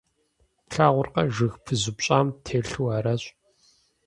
Плъагъуркъэ, жыг пызупщӀам телъу аращ.